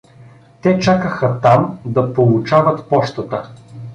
Те чакаха там да получават пощата.